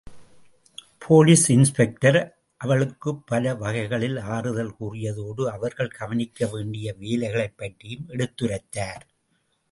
Police inspector அவளுக்குப் பல வகைகளில் ஆறுதல் கூறியதோடு அவர்கள் கவனிக்க வேண்டிய வேலைகளைப்பற்றியும் எடுத்துரைத்தார்.